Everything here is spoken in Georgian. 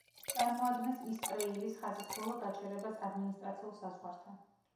წარმოადგენს ისტ-რეილის ხაზის ბოლო გაჩერებას ადმინისტრაციულ საზღვართან.